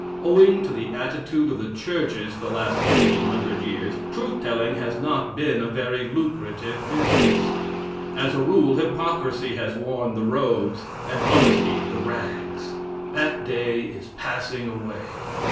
Owing to the attitude of the churches for the last fifteen hundred years, truth telling has not been a very lucrative business. As a rule, hypocrisy has worn the robes, and honesty the rags. That day is passing away.